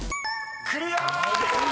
［クリア！］